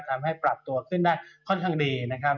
ทำให้ปรับตัวขึ้นได้ค่อนข้างดีนะครับ